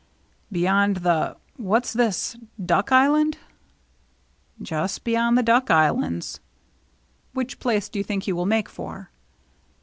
" Beyond the — what's this — Duck Island ?"" Just beyond the Duck Islands." " Which place do you think he will make for?"